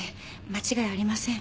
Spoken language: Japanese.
間違いありません。